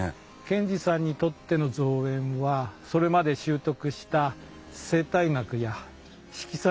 賢治さんにとっての造園はそれまで修得した生態学や色彩